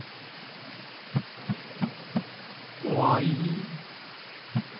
こわい。